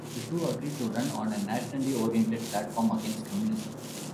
The two agreed to run on a "nationally oriented" platform, against communism.